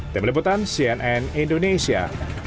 demi lebutan cnn indonesia